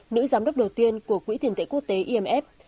nữ giám đốc đầu tiên của quỹ tiền tệ quốc tế imf